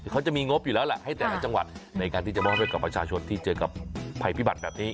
เขาจะมีงบอยู่แล้วแหละให้แต่ละจังหวัดในการที่จะมอบให้กับประชาชนที่เจอกับภัยพิบัติแบบนี้